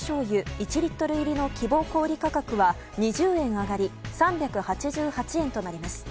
１リットル入りの希望小売価格は２０円上がり３８８円となります。